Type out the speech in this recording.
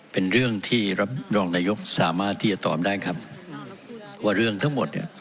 เป็นเรื่องที่รับรองนายกสามารถที่จะตอบได้ครับว่าเรื่องทั้งหมดเนี่ย